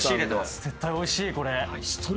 絶対おいしいこれ。